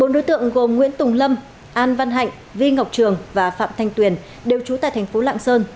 bốn đối tượng gồm nguyễn tùng lâm an văn hạnh vi ngọc trường và phạm thanh tuyền đều trú tại thành phố lạng sơn